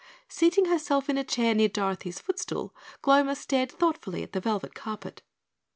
Seating herself in a chair near Dorothy's footstool, Gloma stared thoughtfully at the velvet carpet.